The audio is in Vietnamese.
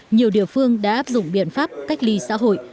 nhiều địa phương đã áp dụng biện pháp cách ly xã hội